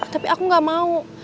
tapi aku gak mau